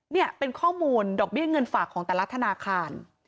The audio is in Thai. นี่เป็นข้อมูลดอกเบี้ยเงินฝากของแต่ละธนาคาร